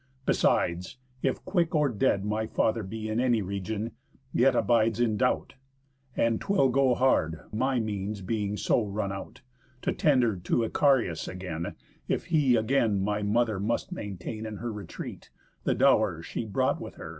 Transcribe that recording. Besides, if quick or dead my father be In any region, yet abides in doubt; And 'twill go hard, my means being so run out, To tender to Icarius again, If he again my mother must maintain In her retreat, the dow'r she brought with her.